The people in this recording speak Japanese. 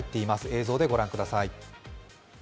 映像で御覧ください。